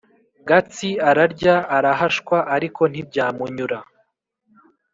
Gatsi ararya arahashwa, ariko ntibyamunyura.